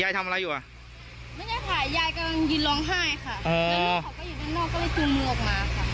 ทำอะไรอยู่อ่ะไม่ได้ถ่ายยายกำลังยืนร้องไห้ค่ะแล้วลูกเขาก็อยู่ด้านนอกก็เลยคืนมือออกมาค่ะ